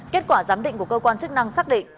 kết quả giám định của cơ quan chức năng xác định